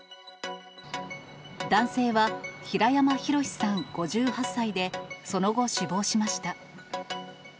男性は、平山弘さん５８歳で、その後死亡しました。